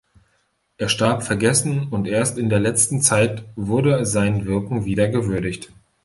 Er starb vergessen und erst in der letzten Zeit wurde sein Wirken wieder gewürdigt.